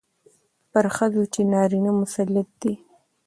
پر ښځو چې نارينه مسلط دي،